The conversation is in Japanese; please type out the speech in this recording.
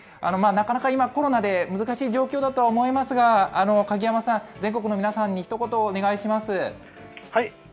なかなか今、コロナで難しい状況だとは思いますが、鍵山さん、全国の皆さんにひと言、お願いしま